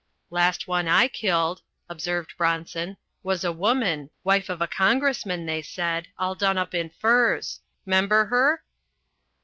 "Last one I killed," observed Bronson, "was a woman, wife of a congressman, they said, all done up in furs. 'Member her?"